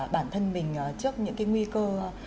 bản thân mình trước những nguy cơ